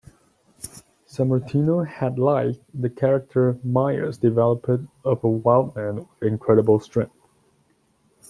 Sammartino had liked the character Myers developed of a wild man with incredible strength.